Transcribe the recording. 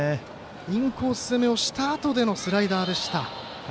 インコース攻めをしたあとのスライダーでした。